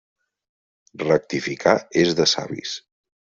Rectificar és de savis.